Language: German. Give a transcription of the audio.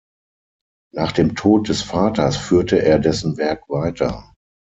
Nach dem Tod des Vaters führte er dessen Werk weiter.